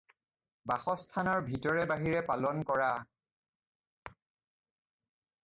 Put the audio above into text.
বাসস্থানৰ ভিতৰে বাহিৰে পালন কৰা।